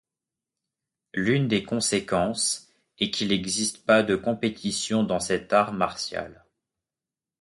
L'une des conséquences est qu'il n'existe pas de compétition dans cet art martial.